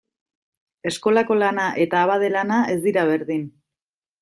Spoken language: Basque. Eskolako lana eta abade lana ez dira berdin.